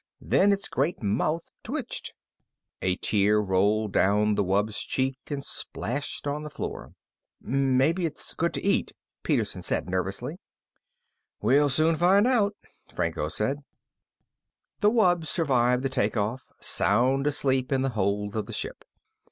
Then its great mouth twitched. A tear rolled down the wub's cheek and splashed on the floor. "Maybe it's good to eat," Peterson said nervously. "We'll soon find out," Franco said. The wub survived the take off, sound asleep in the hold of the ship.